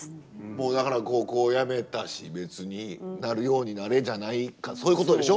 もうだから高校やめたし別になるようになれじゃないかそういうことでしょ？